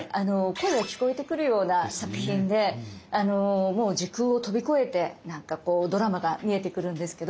声が聞こえてくるような作品でもう時空を飛び越えてなんかドラマが見えてくるんですけど。